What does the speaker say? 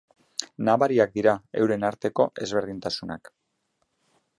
Nabariak dira euren arteko ezberdintasunak.